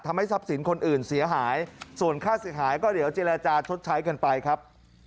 ทำให้ทรัพย์สินคนอื่นเสียหายส่วนค่าเสียหายก็เดี๋ยวเจรจาชดใช้กันไปครับ